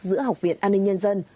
giữa học viện an ninh nhân dân